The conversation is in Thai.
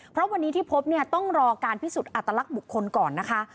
เพราะวันนี้ที่พบเนี่ยต้องรอการพิสูจน์อัตลักษณ์บุคคลก่อนนะคะ